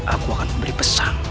aku akan memberi pesan